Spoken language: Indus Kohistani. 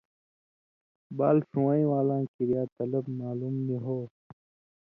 بال ݜُون٘وَیں والاں کریا طلب معلوم نی ہو